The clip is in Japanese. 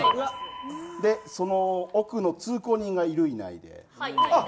その奥の通行人がいる、いない。